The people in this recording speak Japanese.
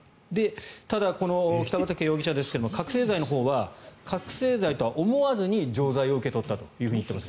ただ、この北畠容疑者ですが覚醒剤のほうは覚醒剤とは思わずに錠剤を受け取ったと言っています。